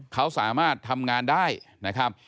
เขาสามารถทำงานได้นะครับ